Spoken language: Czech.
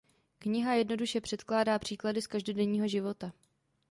Kniha jednoduše předkládá příklady z každodenního života.